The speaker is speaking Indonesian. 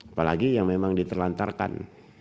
apalagi yang memang diterlantarkan